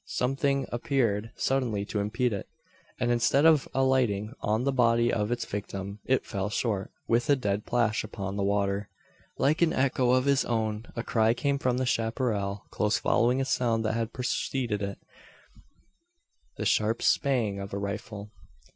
Something appeared suddenly to impede it; and instead of alighting on the body of its victim, it fell short, with a dead plash upon the water! Like an echo of his own, a cry came from the chapparal, close following a sound that had preceded it the sharp "spang" of a rifle.